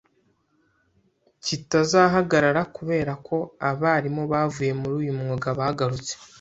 kitazahagarara kubera ko abarimu bavuye muri uyu mwuga bagarutse.